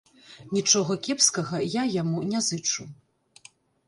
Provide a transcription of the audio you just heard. Нічога кепскага я яму не зычу.